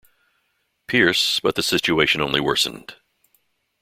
Pierce, but the situation only worsened.